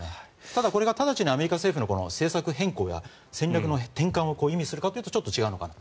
ただ、これが直ちにアメリカの政策転向や戦略の転換を意味するかというとちょっと違うのかと。